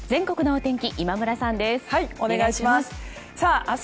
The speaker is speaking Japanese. お願いします。